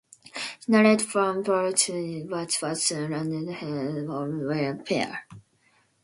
Senna led from pole position but was soon under threat from the Williams pair.